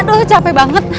aduh capek banget